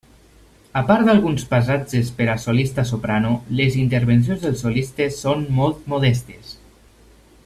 A part d'alguns passatges per a solista soprano, les intervencions dels solistes són molt modestes.